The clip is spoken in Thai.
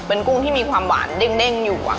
เป็นกุ้งที่มีความหวานเด้งอยู่